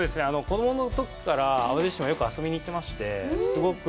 子供のときから淡路島によく遊びに行ってまして、すごく。